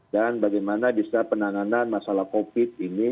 dan bagaimana bisa penanganan masalah covid ini